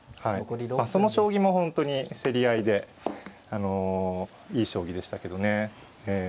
その将棋も本当に競り合いでいい将棋でしたけどね。